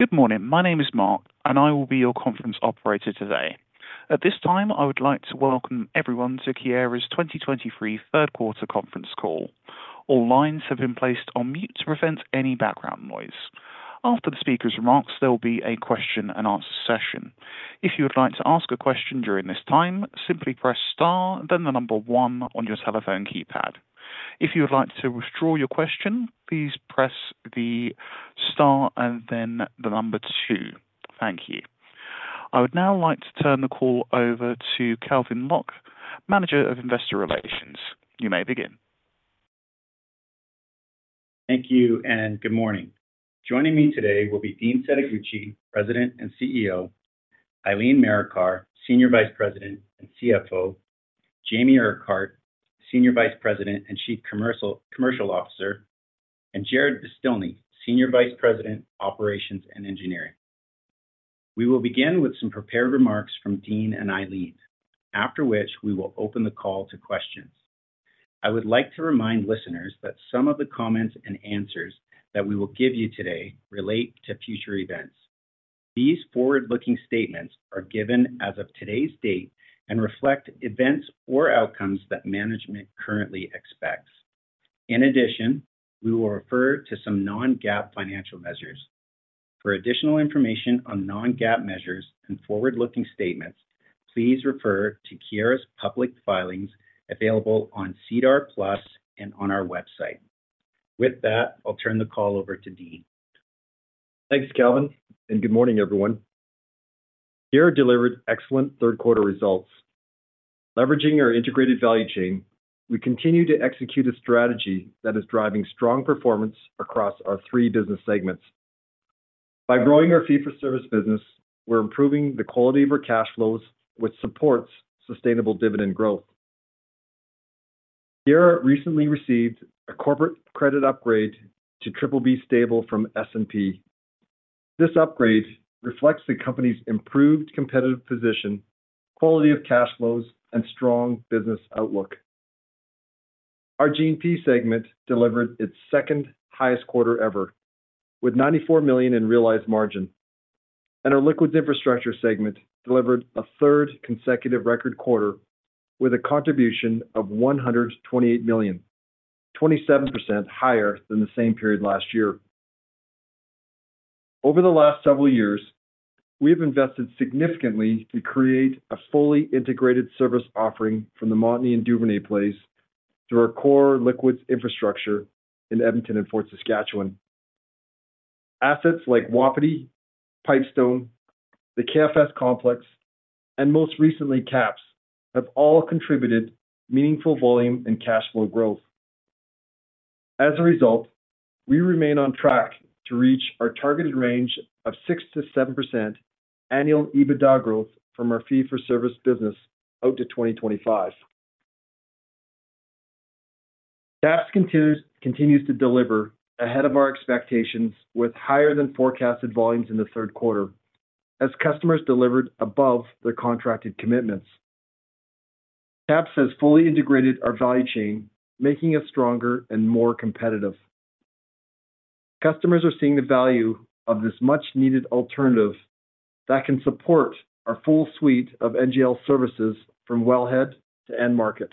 Good morning. My name is Mark, and I will be your conference operator today. At this time, I would like to welcome everyone to Keyera's 2023 third quarter conference call. All lines have been placed on mute to prevent any background noise. After the speaker's remarks, there will be a question and answer session. If you would like to ask a question during this time, simply press star, then the number one on your telephone keypad. If you would like to withdraw your question, please press the star and then the number two. Thank you. I would now like to turn the call over to Calvin Locke, Manager of Investor Relations. You may begin. Thank you, and good morning. Joining me today will be Dean Setoguchi, President and CEO, Eileen Marikar, Senior Vice President and CFO, Jamie Urquhart, Senior Vice President and Chief Commercial Officer, and Jarrod Beztilny, Senior Vice President, Operations and Engineering. We will begin with some prepared remarks from Dean and Eileen, after which we will open the call to questions. I would like to remind listeners that some of the comments and answers that we will give you today relate to future events. These forward-looking statements are given as of today's date and reflect events or outcomes that management currently expects. In addition, we will refer to some non-GAAP financial measures. For additional information on non-GAAP measures and forward-looking statements, please refer to Keyera's public filings available on SEDAR+ and on our website. With that, I'll turn the call over to Dean. Thanks, Calvin, and good morning, everyone. Keyera delivered excellent third quarter results. Leveraging our integrated value chain, we continue to execute a strategy that is driving strong performance across our three business segments. By growing our fee for service business, we're improving the quality of our cash flows, which supports sustainable dividend growth. Keyera recently received a corporate credit upgrade to BBB Stable from S&P. This upgrade reflects the company's improved competitive position, quality of cash flows, and strong business outlook. Our G&P segment delivered its second highest quarter ever, with 94 million in realized margin, and our liquids infrastructure segment delivered a third consecutive record quarter with a contribution of 128 million, 27% higher than the same period last year. Over the last several years, we have invested significantly to create a fully integrated service offering from the Montney and Duvernay plays through our core liquids infrastructure in Edmonton and Fort Saskatchewan. Assets like Wapiti, Pipestone, the KFS Complex, and most recently, KAPS, have all contributed meaningful volume and cash flow growth. As a result, we remain on track to reach our targeted range of 6%-7% annual EBITDA growth from our fee for service business out to 2025. KAPS continues to deliver ahead of our expectations, with higher than forecasted volumes in the third quarter, as customers delivered above their contracted commitments. KAPS has fully integrated our value chain, making us stronger and more competitive. Customers are seeing the value of this much-needed alternative that can support our full suite of NGL services from wellhead to end market.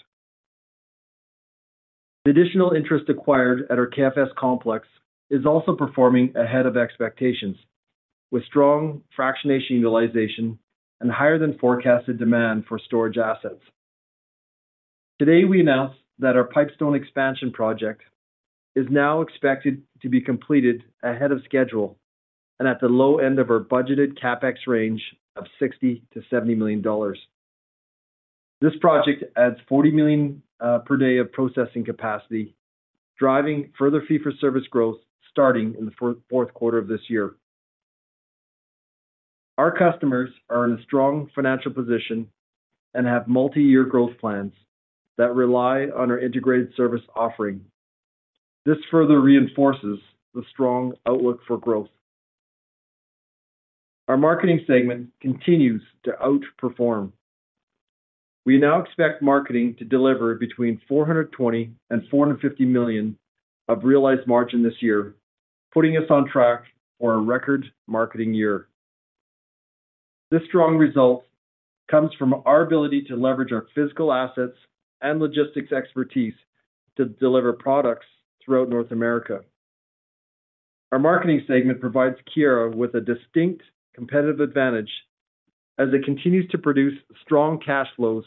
The additional interest acquired at our KFS Complex is also performing ahead of expectations, with strong fractionation utilization and higher than forecasted demand for storage assets. Today, we announce that our Pipestone expansion project is now expected to be completed ahead of schedule and at the low end of our budgeted CapEx range of 60 million-70 million dollars. This project adds 40 million per day of processing capacity, driving further fee for service growth starting in the fourth quarter of this year. Our customers are in a strong financial position and have multi-year growth plans that rely on our integrated service offering. This further reinforces the strong outlook for growth. Our marketing segment continues to outperform. We now expect marketing to deliver between 420 million and 450 million of realized margin this year, putting us on track for a record marketing year. This strong result comes from our ability to leverage our physical assets and logistics expertise to deliver products throughout North America. Our Marketing segment provides Keyera with a distinct competitive advantage as it continues to produce strong cash flows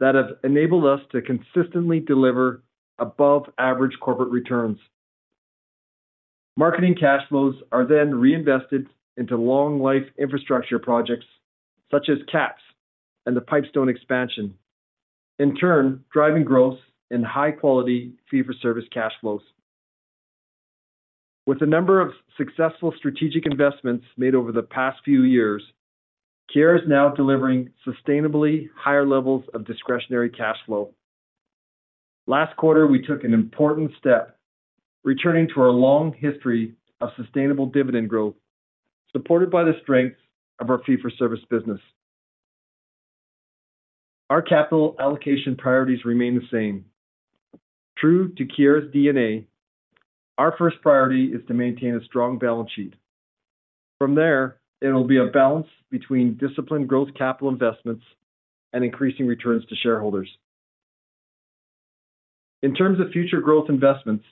that have enabled us to consistently deliver above average corporate returns. Marketing cash flows are then reinvested into long life infrastructure projects such as KAPS and the Pipestone expansion, in turn, driving growth and high quality fee for service cash flows. With a number of successful strategic investments made over the past few years, Keyera is now delivering sustainably higher levels of discretionary cash flow. Last quarter, we took an important step, returning to our long history of sustainable dividend growth, supported by the strength of our fee for service business. Our capital allocation priorities remain the same. True to Keyera's DNA, our first priority is to maintain a strong balance sheet. From there, it'll be a balance between disciplined growth, capital investments, and increasing returns to shareholders. In terms of future growth investments,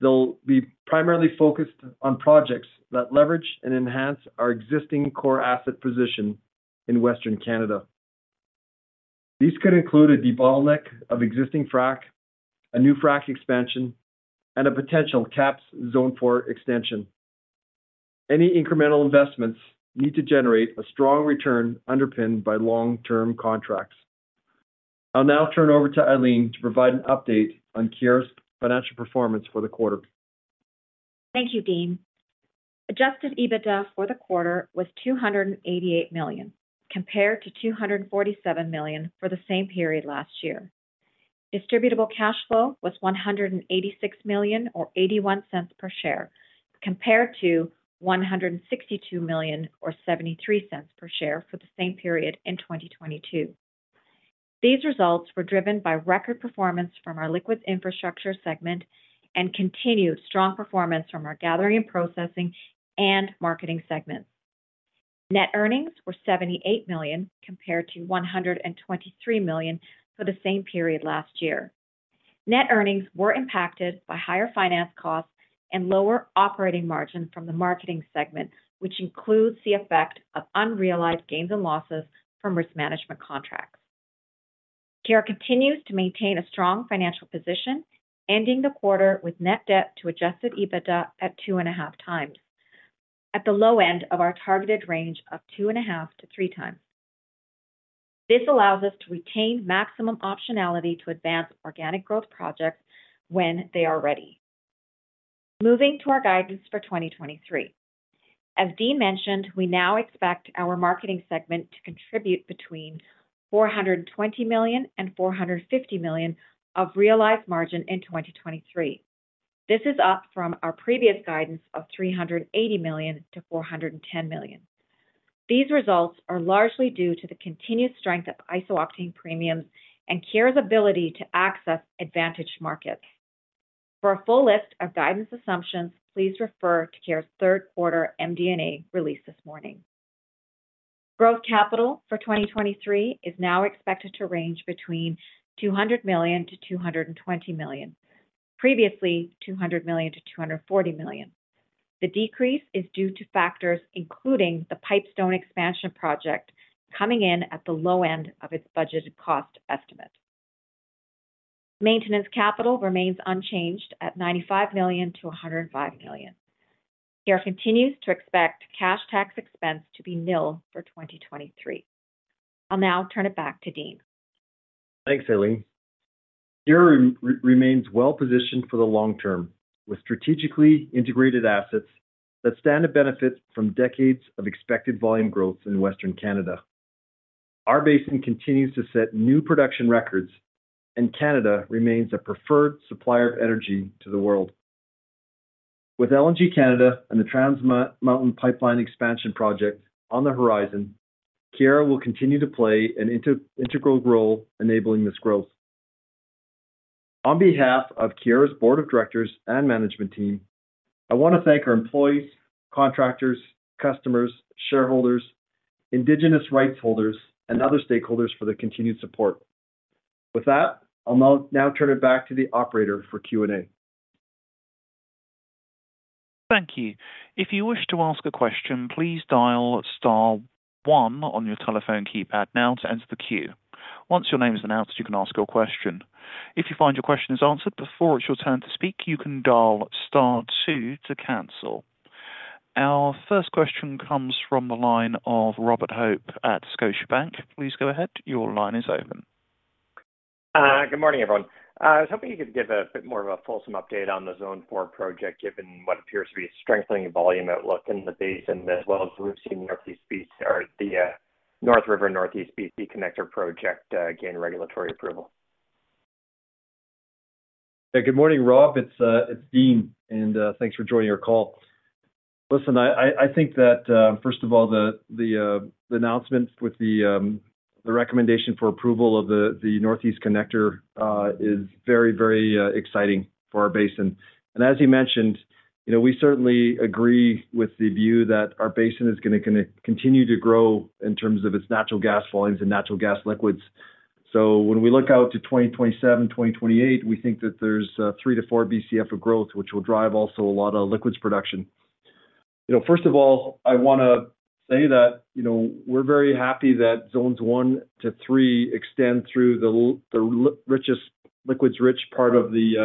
they'll be primarily focused on projects that leverage and enhance our existing core asset position in Western Canada. These could include a debottleneck of existing frac, a new frac expansion, and a potential KAPS Zone Four extension. Any incremental investments need to generate a strong return, underpinned by long-term contracts. I'll now turn over to Eileen to provide an update on Keyera's financial performance for the quarter. Thank you, Dean. Adjusted EBITDA for the quarter was 288 million, compared to 247 million for the same period last year. Distributable cash flow was 186 million, or 0.81 per share, compared to 162 million or 0.73 per share for the same period in 2022. These results were driven by record performance from our Liquids Infrastructure segment and continued strong performance from our Gathering and Processing and Marketing segments. Net earnings were 78 million, compared to 123 million for the same period last year. Net earnings were impacted by higher finance costs and lower operating margin from the Marketing segment, which includes the effect of unrealized gains and losses from risk management contracts. Keyera continues to maintain a strong financial position, ending the quarter with net debt to adjusted EBITDA at 2.5x, at the low end of our targeted range of 2.5x-3x. This allows us to retain maximum optionality to advance organic growth projects when they are ready. Moving to our guidance for 2023. As Dean mentioned, we now expect our marketing segment to contribute between 420 million and 450 million of realized margin in 2023. This is up from our previous guidance of 380 million-410 million. These results are largely due to the continued strength of isooctane premiums and Keyera's ability to access advantaged markets. For a full list of guidance assumptions, please refer to Keyera's third quarter MD&A release this morning. Growth capital for 2023 is now expected to range between 200 million-220 million, previously 200 million-240 million. The decrease is due to factors including the Pipestone expansion project, coming in at the low end of its budgeted cost estimate. Maintenance capital remains unchanged at 95 million-105 million. Keyera continues to expect cash tax expense to be nil for 2023. I'll now turn it back to Dean. Thanks, Eileen. Keyera remains well-positioned for the long term, with strategically integrated assets that stand to benefit from decades of expected volume growth in Western Canada. Our basin continues to set new production records, and Canada remains a preferred supplier of energy to the world. With LNG Canada and the Trans Mountain Pipeline expansion project on the horizon, Keyera will continue to play an integral role enabling this growth. On behalf of Keyera's Board of Directors and management team, I want to thank our employees, contractors, customers, shareholders, Indigenous rights holders, and other stakeholders for their continued support. With that, I'll now turn it back to the operator for Q&A. Thank you. If you wish to ask a question, please dial star one on your telephone keypad now to enter the queue. Once your name is announced, you can ask your question. If you find your question is answered before it's your turn to speak, you can dial star two to cancel. Our first question comes from the line of Robert Hope at Scotiabank. Please go ahead. Your line is open. Good morning, everyone. I was hoping you could give a bit more of a fulsome update on the Zone Four project, given what appears to be a strengthening volume outlook in the basin, as well as we've seen Northeast BC or the NorthRiver Northeast BC Connector Project gain regulatory approval? Good morning, Rob. It's Dean, and thanks for joining our call. Listen, I think that first of all, the announcements with the recommendation for approval of the Northeast Connector is very, very exciting for our basin. And as you mentioned, you know, we certainly agree with the view that our basin is gonna continue to grow in terms of its natural gas volumes and natural gas liquids. So when we look out to 2027, 2028, we think that there's three to four BCF of growth, which will drive also a lot of liquids production. You know, first of all, I wanna say that, you know, we're very happy that Zones One to Three extend through the richest, liquids-rich part of the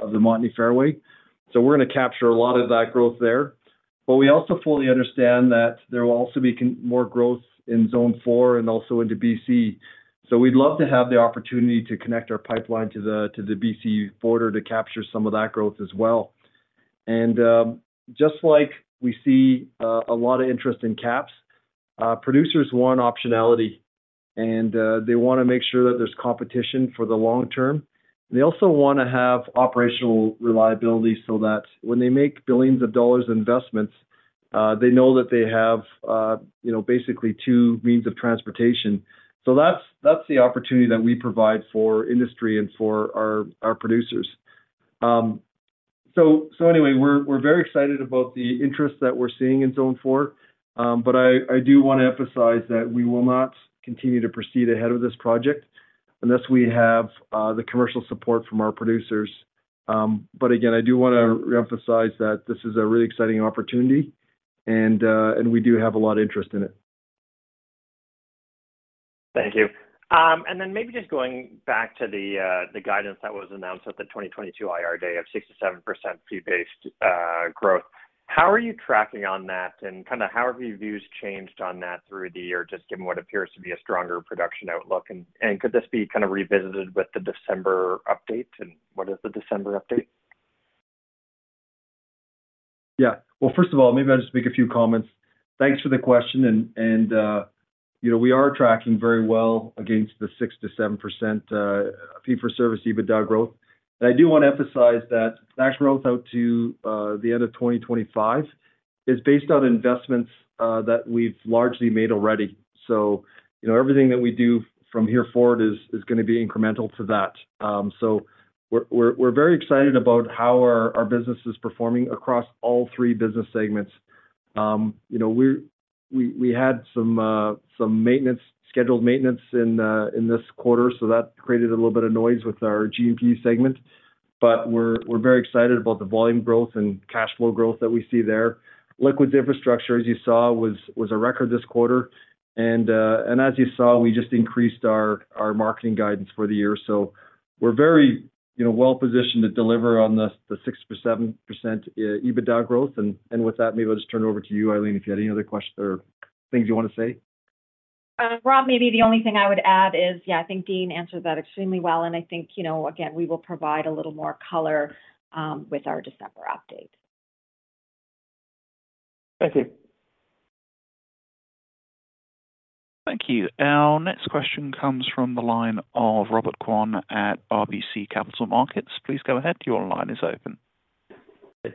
Montney Fairway. So we're gonna capture a lot of that growth there. But we also fully understand that there will also be more growth in Zone Four and also into BC. So we'd love to have the opportunity to connect our pipeline to the BC border to capture some of that growth as well. And just like we see a lot of interest in KAPS, producers want optionality, and they wanna make sure that there's competition for the long term. They also wanna have operational reliability so that when they make billions of CAD in investments, they know that they have, you know, basically two means of transportation. So that's the opportunity that we provide for industry and for our producers. So anyway, we're very excited about the interest that we're seeing in Zone Four. But I do want to emphasize that we will not continue to proceed ahead with this project unless we have the commercial support from our producers. But again, I do want to reemphasize that this is a really exciting opportunity and we do have a lot of interest in it. Thank you. And then maybe just going back to the guidance that was announced at the 2022 IR day of 6%-7% fee-based growth. How are you tracking on that? And kind of how have your views changed on that through the year, just given what appears to be a stronger production outlook? And could this be kind of revisited with the December update, and what is the December update? Yeah. Well, first of all, maybe I'll just make a few comments. Thanks for the question, and you know, we are tracking very well against the 6%-7% fee-for-service EBITDA growth. But I do want to emphasize that cash growth out to the end of 2025 is based on investments that we've largely made already. So, you know, everything that we do from here forward is gonna be incremental to that. So we're very excited about how our business is performing across all three business segments. You know, we had some scheduled maintenance in this quarter, so that created a little bit of noise with our G&P segment. But we're very excited about the volume growth and cash flow growth that we see there. Liquids Infrastructure, as you saw, was a record this quarter. And as you saw, we just increased our marketing guidance for the year. So we're very, you know, well positioned to deliver on the 6%-7% EBITDA growth. And with that, maybe I'll just turn it over to you, Eileen, if you had any other questions or things you want to say. Rob, maybe the only thing I would add is, yeah, I think Dean answered that extremely well, and I think, you know, again, we will provide a little more color with our December update. Thank you. Thank you. Our next question comes from the line of Robert Kwan at RBC Capital Markets. Please go ahead. Your line is open.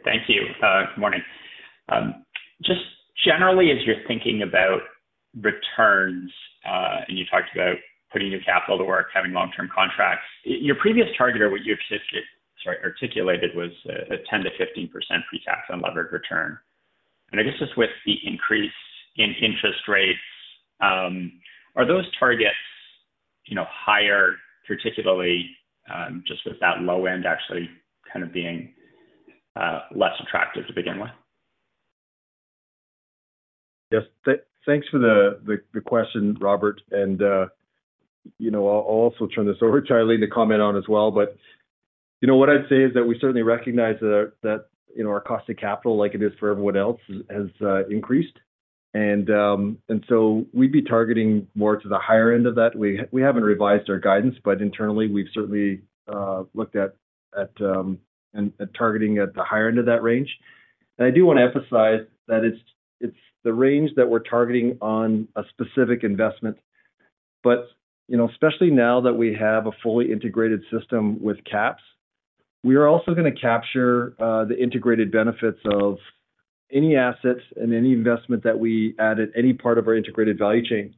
Thank you. Good morning. Just generally, as you're thinking about returns, and you talked about putting your capital to work, having long-term contracts. Your previous target or what you articulated, sorry, articulated was a 10%-15% pre-tax unlevered return? And I guess just with the increase in interest rates, are those targets, you know, higher, particularly, just with that low end actually kind of being less attractive to begin with? Yes. Thanks for the question, Robert. And, you know, I'll also turn this over to Eileen to comment on as well. But, you know, what I'd say is that we certainly recognize that, you know, our cost of capital, like it is for everyone else, has increased. And so we'd be targeting more to the higher end of that. We haven't revised our guidance, but internally, we've certainly looked at targeting at the higher end of that range. And I do want to emphasize that it's the range that we're targeting on a specific investment. But, you know, especially now that we have a fully integrated system with KAPS, we are also going to capture the integrated benefits of any assets and any investment that we add at any part of our integrated value chain.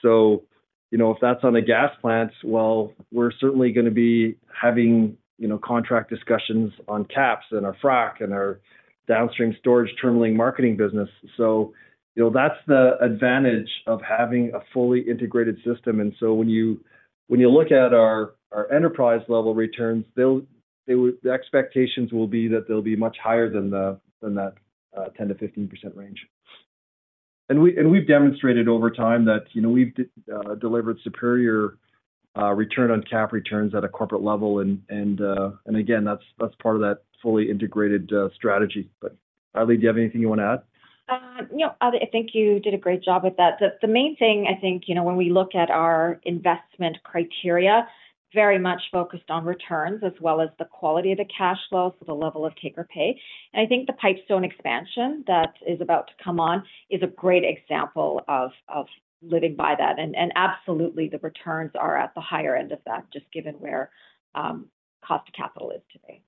So, you know, if that's on the gas plants, well, we're certainly going to be having, you know, contract discussions on KAPS and our frac and our downstream storage, terminalling marketing business. So, you know, that's the advantage of having a fully integrated system. And so when you look at our, our enterprise-level returns, they'll, the expectations will be that they'll be much higher than the, than that 10%-15% range. And we, and we've demonstrated over time that, you know, we've delivered superior return on cap returns at a corporate level. And, and again, that's, that's part of that fully integrated strategy. But, Eileen, do you have anything you want to add? No, I think you did a great job with that. The main thing, I think, you know, when we look at our investment criteria, very much focused on returns as well as the quality of the cash flows, so the level of take-or-pay. And I think the Pipestone expansion that is about to come on is a great example of living by that. And absolutely, the returns are at the higher end of that, just given where cost of capital is today.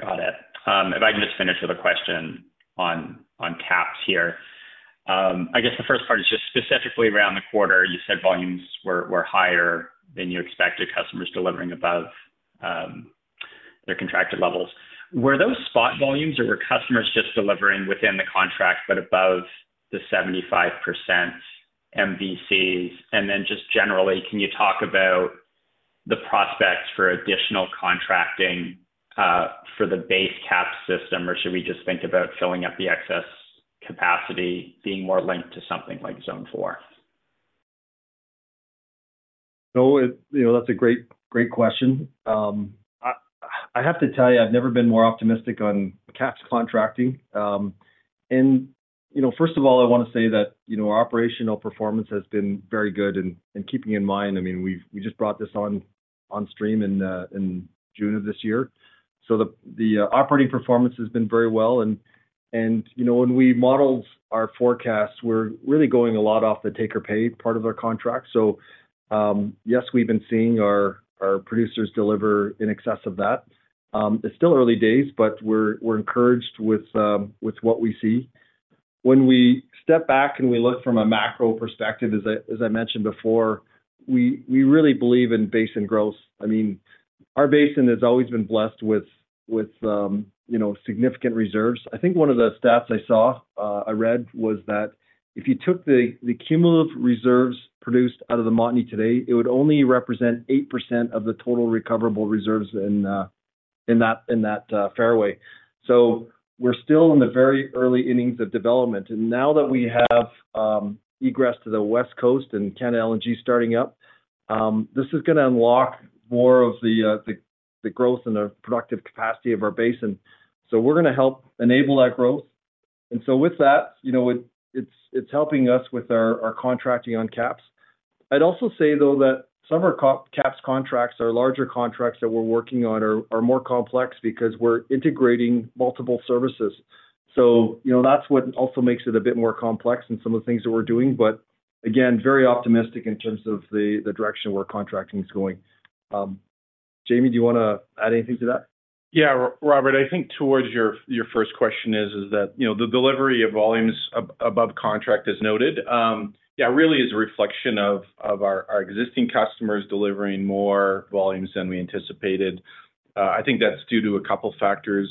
Got it. If I can just finish with a question on KAPS here. I guess the first part is just specifically around the quarter, you said volumes were higher than you expected, customers delivering above their contracted levels. Were those spot volumes or were customers just delivering within the contract but above the 75% MVCs? And then just generally, can you talk about the prospects for additional contracting for the base KAPS system, or should we just think about filling up the excess capacity being more linked to something like Zone Four? So, you know, that's a great, great question. I have to tell you, I've never been more optimistic on KAPS contracting. And, you know, first of all, I want to say that, you know, our operational performance has been very good and, keeping in mind, I mean, we've just brought this on stream in June of this year. So the operating performance has been very well, and, you know, when we modeled our forecasts, we're really going a lot off the take-or-pay part of our contract. So, yes, we've been seeing our producers deliver in excess of that. It's still early days, but we're encouraged with what we see. When we step back and we look from a macro perspective, as I mentioned before, we really believe in basin growth. I mean, our basin has always been blessed with, you know, significant reserves. I think one of the stats I saw, I read was that if you took the cumulative reserves produced out of the Montney today, it would only represent 8% of the total recoverable reserves in that fairway. So we're still in the very early innings of development, and now that we have egress to the West Coast and LNG Canada starting up, this is gonna unlock more of the growth and the productive capacity of our basin. So we're gonna help enable that growth. So with that, you know, it's helping us with our contracting on KAPS. I'd also say, though, that some of our KAPS contracts or larger contracts that we're working on are more complex because we're integrating multiple services. So, you know, that's what also makes it a bit more complex in some of the things that we're doing, but again, very optimistic in terms of the direction where contracting is going. Jamie, do you wanna add anything to that? Yeah, Robert, I think towards your first question is that, you know, the delivery of volumes above contract, as noted, yeah, really is a reflection of our existing customers delivering more volumes than we anticipated. I think that's due to a couple factors.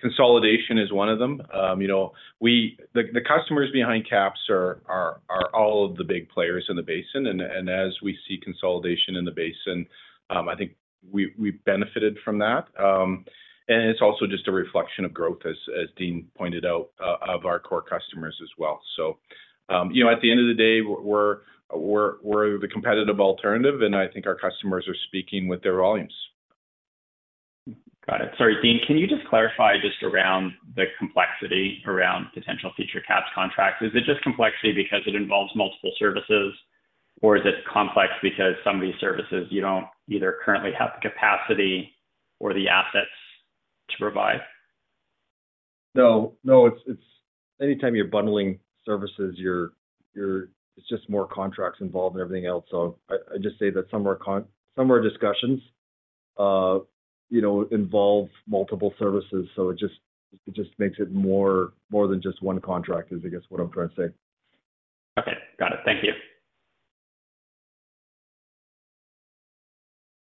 Consolidation is one of them. You know, the customers behind KAPS are all of the big players in the basin, and as we see consolidation in the basin, I think we benefited from that. And it's also just a reflection of growth, as Dean pointed out, of our core customers as well. So, you know, at the end of the day, we're the competitive alternative, and I think our customers are speaking with their volumes. Got it. Sorry, Dean, can you just clarify just around the complexity around potential future KAPS contracts? Is it just complexity because it involves multiple services, or is it complex because some of these services you don't either currently have the capacity or the assets to provide? No, no. It's anytime you're bundling services. It's just more contracts involved and everything else. So I just say that some are discussions, you know, involves multiple services, so it just makes it more than just one contract, is, I guess, what I'm trying to say. Okay. Got it. Thank you.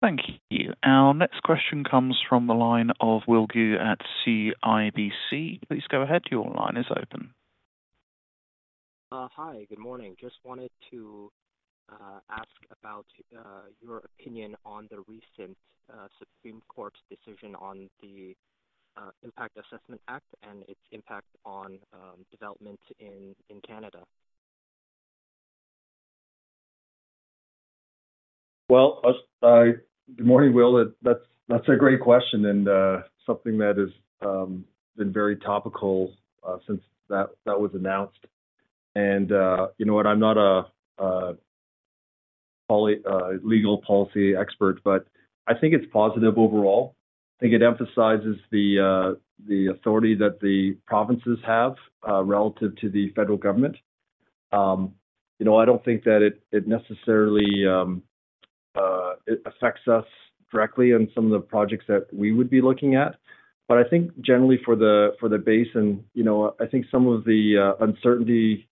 Thank you. Our next question comes from the line of Will Gu at CIBC. Please go ahead. Your line is open. Hi, good morning. Just wanted to ask about your opinion on the recent Supreme Court's decision on the Impact Assessment Act and its impact on development in Canada? Well, good morning, Will. That's a great question and something that has been very topical since that was announced. You know what? I'm not a legal policy expert, but I think it's positive overall. I think it emphasizes the authority that the provinces have relative to the federal government. You know, I don't think that it necessarily affects us directly in some of the projects that we would be looking at. But I think generally for the basin, you know, I think some of the uncertainty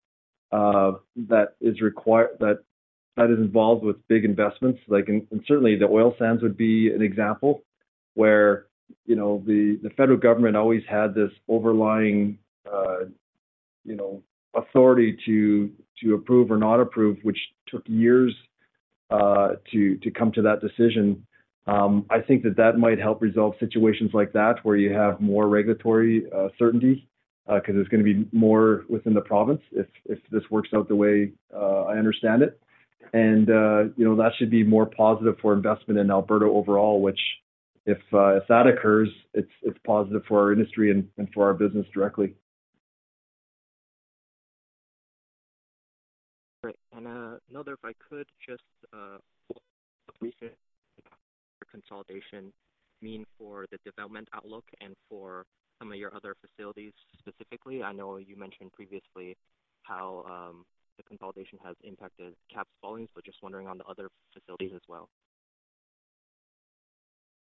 that is involved with big investments, like, and certainly the oil sands would be an example where, you know, the federal government always had this overlying, you know, authority to approve or not approve, which took years to come to that decision. I think that might help resolve situations like that, where you have more regulatory certainty because it's gonna be more within the province if this works out the way I understand it. And you know, that should be more positive for investment in Alberta overall, which if that occurs, it's positive for our industry and for our business directly. Great. And another, if I could just consolidation mean for the development outlook and for some of your other facilities specifically? I know you mentioned previously how the consolidation has impacted KAPS volumes, but just wondering on the other facilities as well?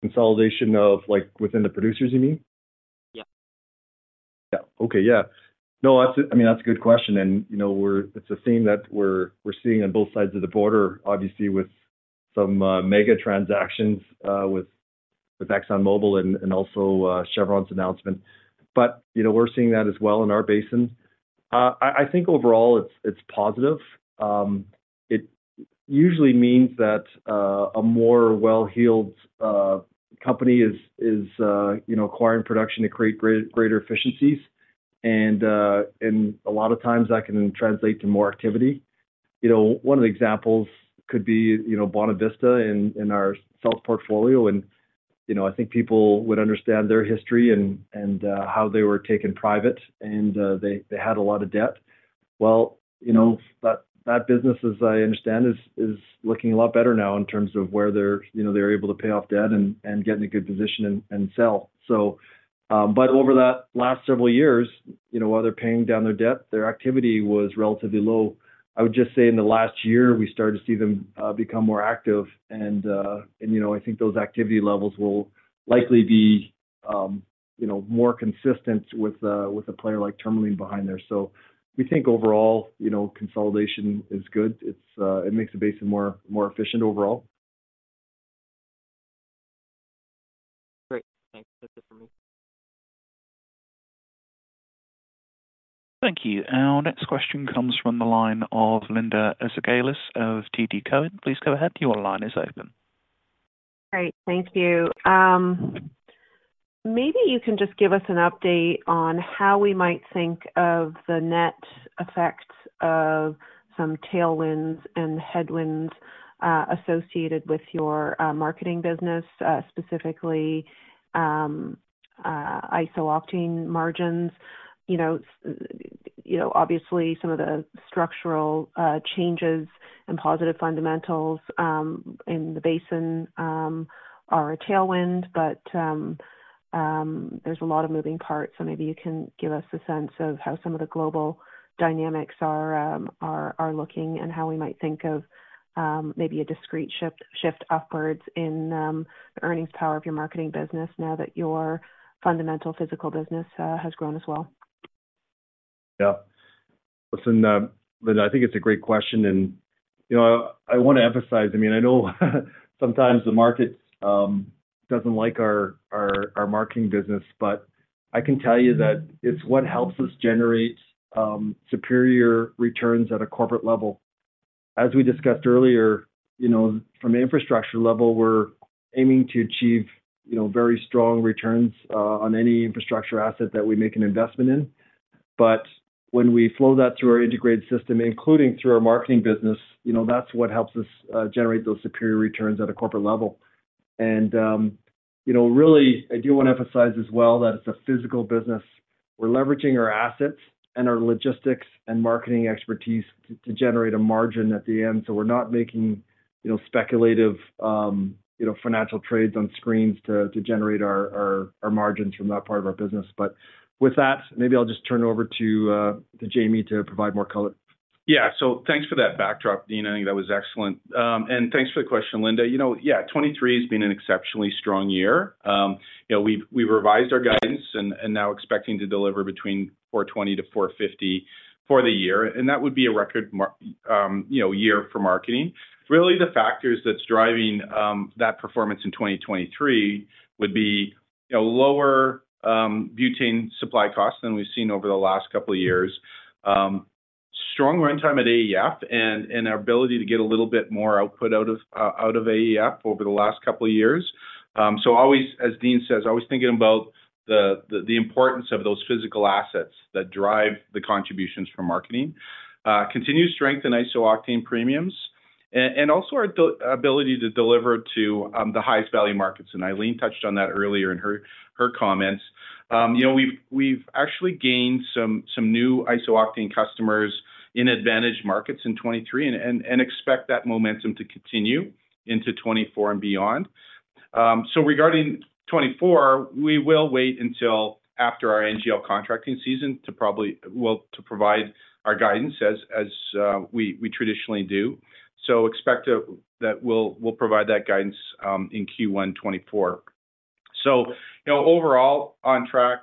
Consolidation of like within the producers, you mean? Yeah. Yeah. Okay, yeah. No, that's a-- I mean, that's a good question, and, you know, we're-- it's a theme that we're, we're seeing on both sides of the border, obviously with some, mega transactions, with, with ExxonMobil and, and also, Chevron's announcement. But, you know, we're seeing that as well in our basin. I, I think overall, it's, it's positive. It usually means that, a more well-heeled, company is, is, you know, acquiring production to create greater efficiencies, and, and a lot of times that can translate to more activity. You know, one of the examples could be, you know, Bonavista in, in our south portfolio, and, you know, I think people would understand their history and, and, how they were taken private, and, they, they had a lot of debt. Well, you know, that business, as I understand, is looking a lot better now in terms of where they're, you know, they're able to pay off debt and get in a good position and sell. So, but over the last several years, you know, while they're paying down their debt, their activity was relatively low. I would just say in the last year, we started to see them become more active, and, you know, I think those activity levels will likely be more consistent with a player like Tourmaline behind there. So we think overall, you know, consolidation is good. It's it makes the basin more efficient overall. Great. Thanks. That's it for me. Thank you. Our next question comes from the line of Linda Ezergailis of TD Cowen. Please go ahead. Your line is open. Great. Thank you. Maybe you can just give us an update on how we might think of the net effects of some tailwinds and headwinds associated with your marketing business, specifically, isooctane margins? You know, you know, obviously, some of the structural changes and positive fundamentals in the basin are a tailwind, but, there's a lot of moving parts. So maybe you can give us a sense of how some of the global dynamics are looking and how we might think of maybe a discrete shift upwards in the earnings power of your marketing business now that your fundamental physical business has grown as well? Yeah. Listen, Linda, I think it's a great question, and, you know, I want to emphasize... I mean, I know, sometimes the market doesn't like our marketing business, but I can tell you that it's what helps us generate superior returns at a corporate level. As we discussed earlier, you know, from an infrastructure level, we're aiming to achieve, you know, very strong returns on any infrastructure asset that we make an investment in. But when we flow that through our integrated system, including through our marketing business, you know, that's what helps us generate those superior returns at a corporate level. And, you know, really, I do want to emphasize as well that it's a physical business. We're leveraging our assets and our logistics and marketing expertise to generate a margin at the end. So we're not making, you know, speculative, you know, financial trades on screens to generate our margins from that part of our business. But with that, maybe I'll just turn it over to Jamie to provide more color. Yeah. So thanks for that backdrop, Dean. I think that was excellent. And thanks for the question, Linda. You know, yeah, 2023 has been an exceptionally strong year. You know, we've, we've revised our guidance and, and now expecting to deliver between 420-450 for the year, and that would be a record year for marketing. Really, the factors that's driving that performance in 2023 would be, you know, lower butane supply costs than we've seen over the last couple of years. Strong runtime at AEF and, and our ability to get a little bit more output out of out of AEF over the last couple of years. So always, as Dean says, always thinking about the importance of those physical assets that drive the contributions from marketing. Continued strength in isooctane premiums and also our ability to deliver to the highest value markets. Eileen touched on that earlier in her comments. You know, we've actually gained some new isooctane customers in advantage markets in 2023 and expect that momentum to continue into 2024 and beyond. So regarding 2024, we will wait until after our NGL contracting season to provide our guidance as we traditionally do. So expect that we'll provide that guidance in Q1 2024. So, you know, overall on track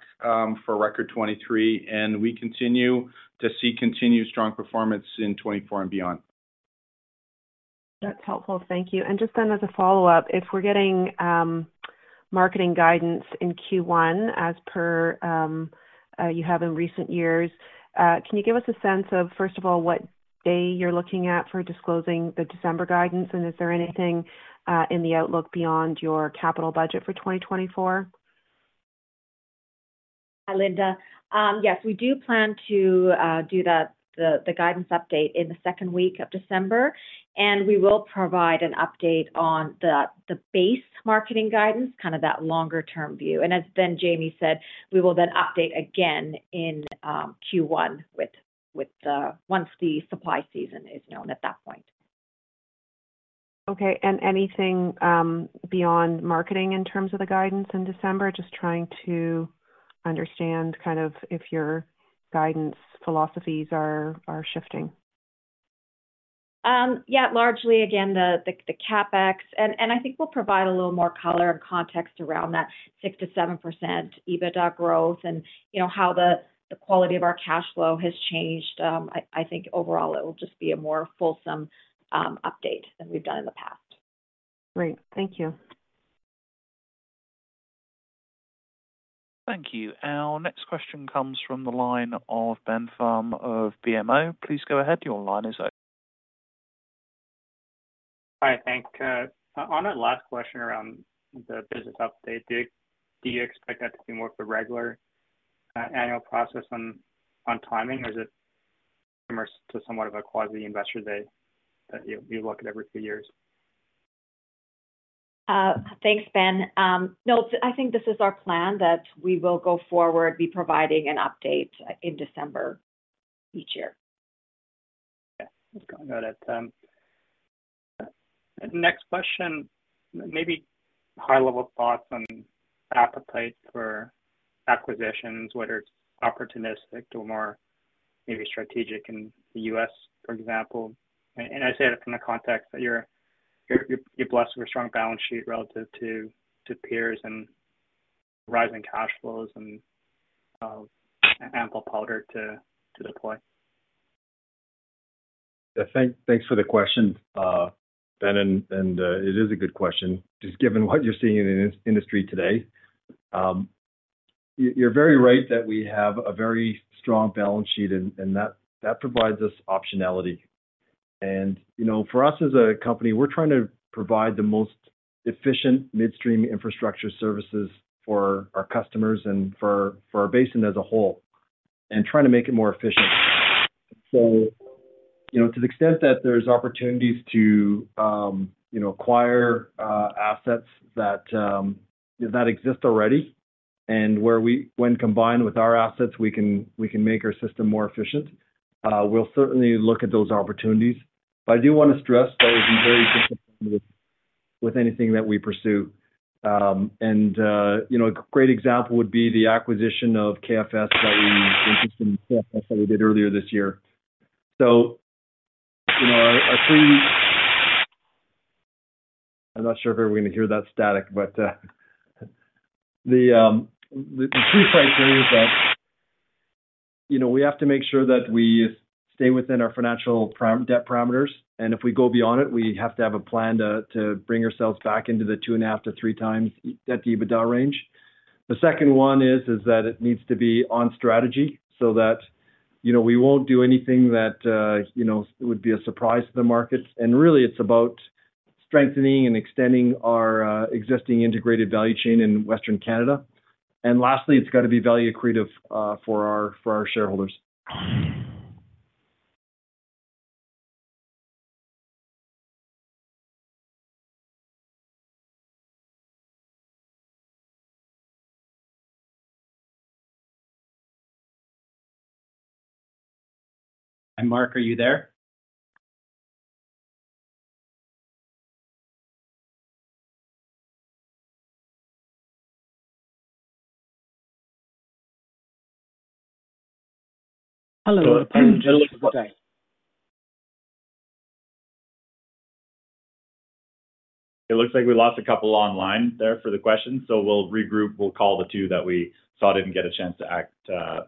for record 2023, and we continue to see continued strong performance in 2024 and beyond. That's helpful. Thank you. And just then as a follow-up, if we're getting marketing guidance in Q1, as per you have in recent years, can you give us a sense of, first of all, what day you're looking at for disclosing the December guidance? And is there anything in the outlook beyond your capital budget for 2024? Hi, Linda. Yes, we do plan to do the guidance update in the second week of December, and we will provide an update on the base marketing guidance, kind of that longer-term view. And as then Jamie said, we will then update again in Q1 with once the supply season is known at that point. Okay. Anything beyond marketing in terms of the guidance in December? Just trying to understand kind of if your guidance philosophies are shifting. Yeah, largely, again, the CapEx. And I think we'll provide a little more color and context around that 6%-7% EBITDA growth and, you know, how the quality of our cash flow has changed. I think overall it will just be a more fulsome update than we've done in the past. Great. Thank you. Thank you. Our next question comes from the line of Ben Pham of BMO. Please go ahead. Your line is open. Hi, thanks. On our last question around the business update, do you expect that to be more of the regular annual process on timing, or is it similar to somewhat of a quasi investor day that you look at every few years? Thanks, Ben. No, I think this is our plan, that we will go forward, be providing an update in December each year. Yeah, let's go about it then. Next question, maybe high-level thoughts on appetite for acquisitions, whether it's opportunistic or more... maybe strategic in the US, for example? And I say that from the context that you're blessed with a strong balance sheet relative to peers and rising cash flows and ample powder to deploy. Yeah. Thanks for the question, Ben, and it is a good question, just given what you're seeing in industry today. You're very right that we have a very strong balance sheet, and that provides us optionality. You know, for us as a company, we're trying to provide the most efficient midstream infrastructure services for our customers and for our basin as a whole, and trying to make it more efficient. So, you know, to the extent that there's opportunities to, you know, acquire assets that does not exist already and where we, when combined with our assets, we can make our system more efficient, we'll certainly look at those opportunities. But I do wanna stress that we've been very disciplined with anything that we pursue. And, you know, a great example would be the acquisition of KFS that we did earlier this year. So, you know, our three... I'm not sure if everyone can hear that static, but, the three criteria is that, you know, we have to make sure that we stay within our financial param- debt parameters, and if we go beyond it, we have to have a plan to bring ourselves back into the 2.5x-3x at the EBITDA range. The second one is that it needs to be on strategy so that, you know, we won't do anything that, you know, would be a surprise to the market. And really, it's about strengthening and extending our existing integrated value chain in Western Canada. Lastly, it's got to be value accretive, for our, for our shareholders. Hi, Mark, are you there? Hello, and good day. It looks like we lost a couple online there for the questions, so we'll regroup. We'll call the two that we saw didn't get a chance to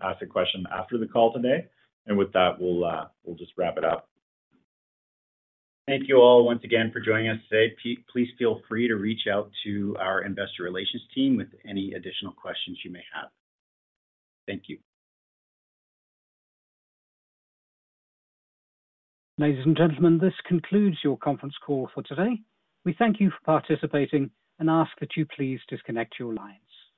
ask the question after the call today. With that, we'll just wrap it up. Thank you all once again for joining us today. Please feel free to reach out to our investor relations team with any additional questions you may have. Thank you. Ladies and gentlemen, this concludes your conference call for today. We thank you for participating and ask that you please disconnect your lines.